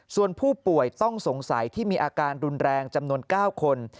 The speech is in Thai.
ส่วนผู้ป่วยต้องสงสัยที่มีอาการรุนแรงจำนวน๙คน